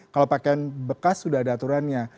kalau pakaian bekas sudah ada aturannya